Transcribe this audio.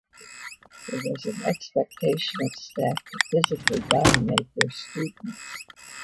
There was an expectation of staff to "physically dominate their students".